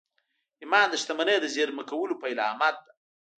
ایمان د شتمنۍ د زېرمه کولو پیلامه ده